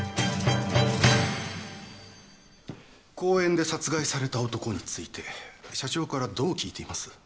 公園で殺害された男について社長からどう聞いています？